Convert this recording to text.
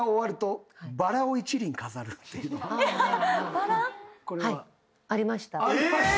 ありました。